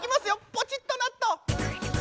ポチッとなっと！